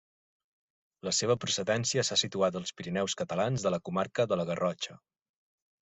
La seva procedència s'ha situat als Pirineus catalans de la comarca de la Garrotxa.